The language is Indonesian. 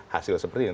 hasil seperti ini